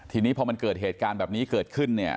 ทีนี้พอมันเกิดเหตุการณ์แบบนี้เกิดขึ้นเนี่ย